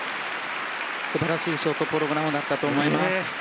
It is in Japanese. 素晴らしいショートプログラムだったと思います。